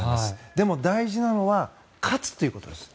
でも大事なのは勝つということです。